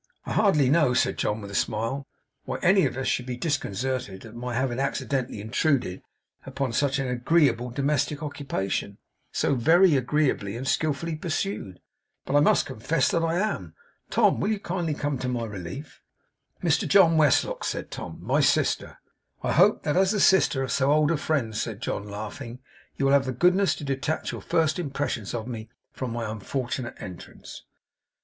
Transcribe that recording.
I hardly know,' said John, with a smile, 'why any of us should be disconcerted at my having accidentally intruded upon such an agreeable domestic occupation, so very agreeably and skillfully pursued; but I must confess that I am. Tom, will you kindly come to my relief?' 'Mr John Westlock,' said Tom. 'My sister.' 'I hope that, as the sister of so old a friend,' said John, laughing 'you will have the goodness to detach your first impressions of me from my unfortunate entrance.